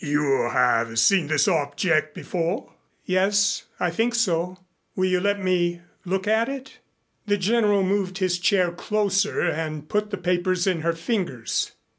"You have seen this object before?" "Yes, I think so. Will you let me look at it?" The General moved his chair closer and put the papers in her fingers.